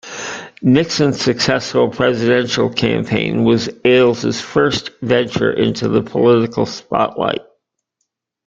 Nixon's successful presidential campaign was Ailes's first venture into the political spotlight.